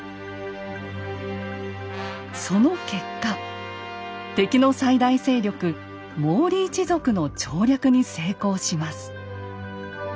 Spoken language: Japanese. その結果敵の最大勢力毛利一族の調略に成功します。